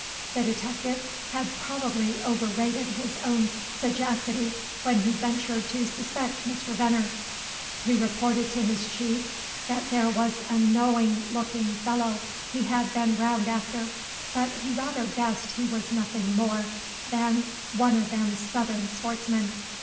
The detective had probably overrated his own sagacity when he ventured to suspect Mr. Venner. He reported to his chief that there was a knowing looking fellow he had been round after, but he rather guessed he was nothing more than "one o' them Southern sportsmen."